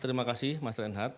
terima kasih mas ranhat